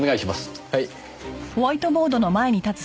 はい。